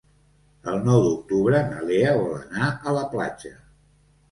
El nou d'octubre na Lea vol anar a la platja.